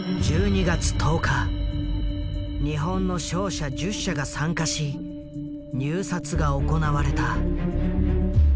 日本の商社１０社が参加し入札が行われた。